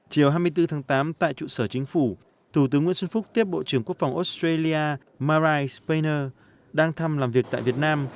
chiều hai mươi bốn tháng tám tại trụ sở chính phủ thủ tướng nguyễn xuân phúc tiếp bộ trưởng quốc phòng australia marai spaner đang thăm làm việc tại việt nam